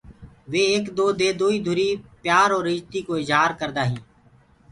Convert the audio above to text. وي ايڪآ دو دي دوئيٚ ڌُري پيآر اور اِجتي ڪو اجهآر ڪردآ هين۔